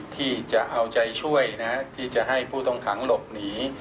ที่จะเอาใจช่วยที่จะให้ผู้ต้องขังหลบหนี